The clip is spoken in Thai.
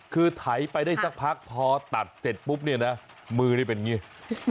คือไถไปได้สักพักพอตัดเสร็จปุ๊บเนี่ยนะมือนี่เป็นอย่างนี้